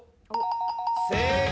正解。